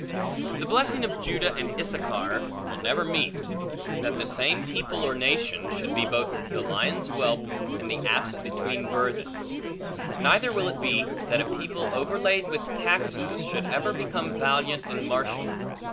The blessing of Judah and Issachar will never meet; that the same people, or nation, should be both the lion's whelp and the ass between burthens; neither will it be, that a people overlaid with taxes, should ever become valiant and martial.